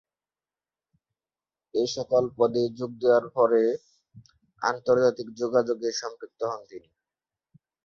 এ সকল পদে যোগ দেয়ার ফলে আন্তর্জাতিক যোগাযোগে সম্পৃক্ত হন তিনি।